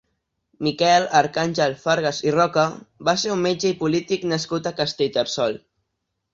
Miquel Arcàngel Fargas i Roca va ser un metge i polític nascut a Castellterçol.